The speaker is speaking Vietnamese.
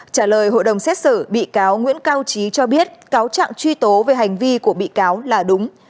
trả lời hội đồng xét xử bị cáo nguyễn cao trí cho biết cáo trạng truy tố về hành vi của bị cáo là đúng